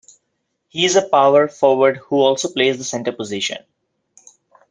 He is a power forward, who also plays the center position.